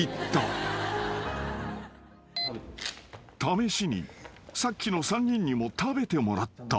［試しにさっきの３人にも食べてもらった］